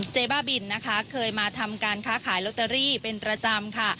บ้าบินนะคะเคยมาทำการค้าขายลอตเตอรี่เป็นประจำค่ะ